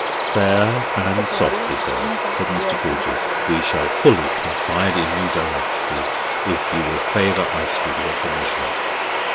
"Fair and softly, sir," said Mr. Grewgious; "we shall fully confide in you directly, if you will favour us with your permission.